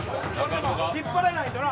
引っ張らないんだな。